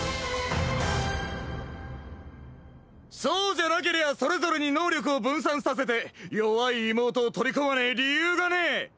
そうじゃなけりゃそれぞれに能力を分散させて弱い妹を取り込まねえ理由がねえ！